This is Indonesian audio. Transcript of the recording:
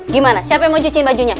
gimana siapa yang mau cuci bajunya